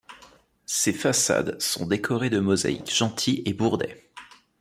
Ses façades sont décorées de mosaïques Gentil & Bourdet.